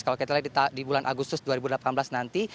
kalau kita lihat di bulan agustus dua ribu delapan belas nanti